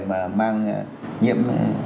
mà mang nhiễm